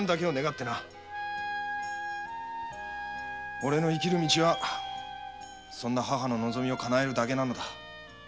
おれの生きる道はそんな母の望みをかなえるだけなのだ。